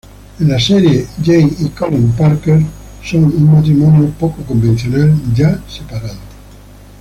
En la serie, Jane y Colin Parker, son un matrimonio poco convencional ya separados.